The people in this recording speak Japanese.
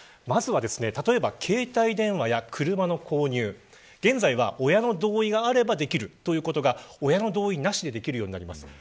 まずは、携帯電話や車の購入現在は、親の同意があればできるということが親の同意なしでできるようになります。